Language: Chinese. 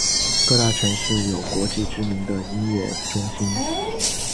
各大城市有国际知名的音乐中心。